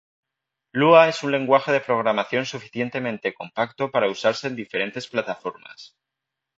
Lua es un lenguaje de programación suficientemente compacto para usarse en diferentes plataformas.